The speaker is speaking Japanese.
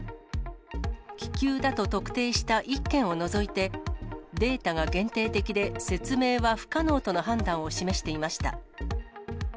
気球だと特定した１件を除いて、データが限定的で、説明は不可能との判断を示していました。